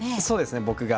そうですね。